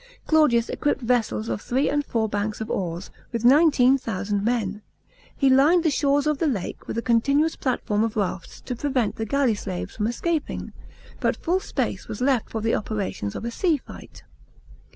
Claudius equipped vessels of three and four banks of oars, with nineteen thousand men. He lined the shores of the lake with a continuous platform of rafts to prevent the galley slaves from escaping, but full space was left for the operations of a sea fiuht.